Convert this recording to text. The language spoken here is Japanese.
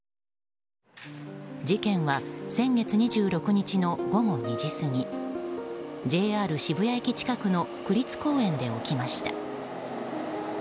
事件は先月２６日の午後２時過ぎＪＲ渋谷駅近くの区立公園で起きました。